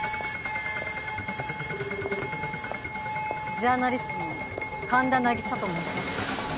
ジャーナリストの神田凪沙と申します。